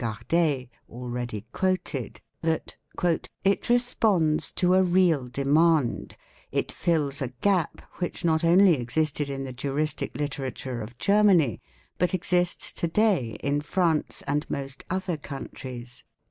Gardeil, already quoted, that '"'it responds to a real demand ; it fills a gap, which not only existed in the juristic literature of Germany, but exists to day in France _ and most other countries.